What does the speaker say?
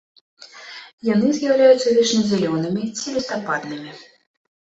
Яны з'яўляюцца вечназялёнымі ці лістападнымі.